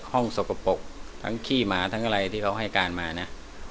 สกปรกทั้งขี้หมาทั้งอะไรที่เขาให้การมานะ